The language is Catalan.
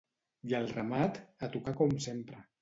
I al remat, a tocar com sempre.